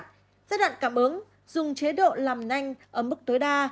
giai đoạn cảm ứng dùng chế độ làm nhanh ở mức tối đa